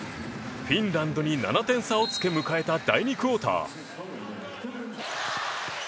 フィンランドに７点差をつけ迎えた第２クオーター。